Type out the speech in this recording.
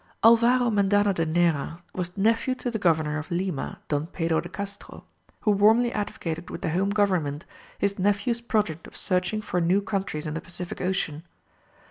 Alvaro Mendana de Neyra was nephew to the Governor of Lima, Don Pedro de Castro, who warmly advocated with the home government his nephew's project of searching for new countries in the Pacific Ocean.